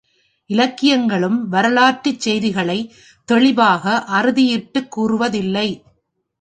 இலக்கியங்களும் வரலாற்றுச் செய்திகளைத் தெளிவாக அறுதியிட்டுக் கூறுவதில்லை.